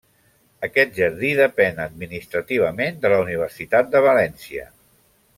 Aquest jardí depèn administrativament de la Universitat de València.